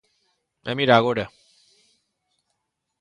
E mira agora.